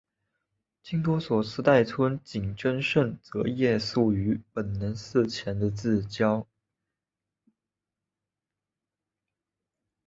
京都所司代村井贞胜则夜宿于本能寺前的自邸。